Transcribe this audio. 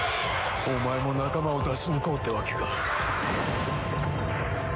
お前も仲間を出し抜こうってわけか。